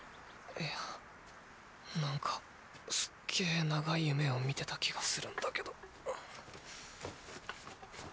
いやなんかすっげ長い夢を見てた気がするんだけど。